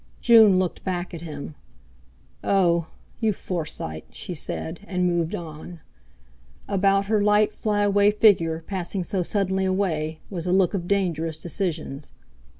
June looked back at him. "Oh! You Forsyte!" she said, and moved on. About her light, fly away figure, passing so suddenly away, was a look of dangerous decisions.